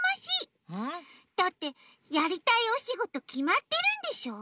ん？だってやりたいおしごときまってるんでしょ？